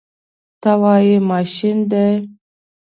ته وایې ماشین دی.